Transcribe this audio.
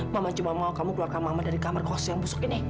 mama cuma mau kamu keluarkan mama dari kamar kos yang busuk ini